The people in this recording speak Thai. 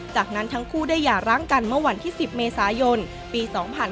จากนั้นทั้งคู่ได้หย่าร้างกันเมื่อวันที่๑๐เมษายนปี๒๕๕๙